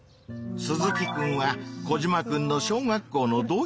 鈴木くんはコジマくんの小学校の同級生だ。